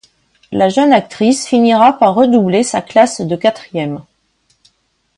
La jeune actrice finira par redoubler sa classe de quatrième.